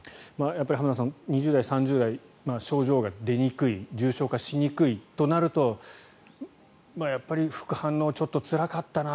浜田さん、２０代、３０代症状が出にくい重症化しにくいとなると副反応、ちょっとつらかったな